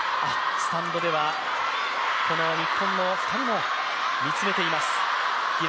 スタンドでは日本の２人も見つめています。